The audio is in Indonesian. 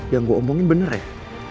yang gue omongin bener ya